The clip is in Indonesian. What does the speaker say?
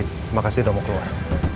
andi terima kasih udah mau keluar